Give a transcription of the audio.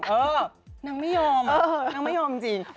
เออนางไม่ยอมนางไม่ยอมจริง